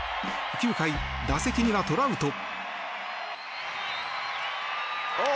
９回、打席にはトラウト。